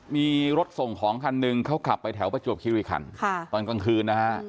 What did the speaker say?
มีรถส่งของคันหนึ่งเขาขับไปแถวประจวบคิริคันตอนกลางคืนนะฮะ